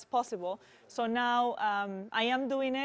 jadi sekarang saya melakukannya